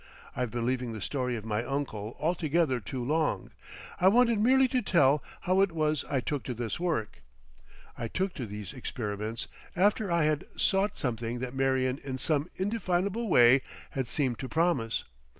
I've been leaving the story of my uncle altogether too long. I wanted merely to tell how it was I took to this work. I took to these experiments after I had sought something that Marion in some indefinable way had seemed to promise.